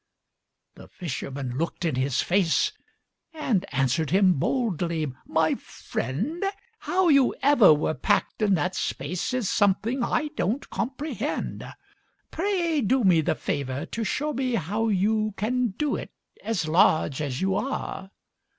The fisherman looked in his face, And answered him boldly: "My friend, How you ever were packed in that space Is something I don't comprehend. Pray do me the favor to show me how you Can do it, as large as you are."